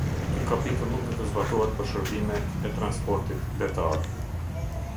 Ky Kapitull nuk do të zbatohet për shërbimet e transportit detar.